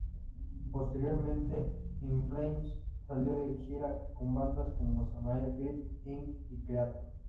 Posteriormente, In Flames salió de gira con bandas como Samael, Grip Inc., y Kreator.